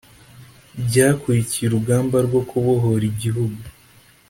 byakurikiye urugamba rwo kubohora igihugu